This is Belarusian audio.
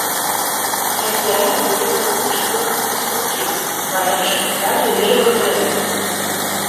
Разьбярамі былі маляўніча выкананы слупкі, парэнчы і краты вежавых галерэй.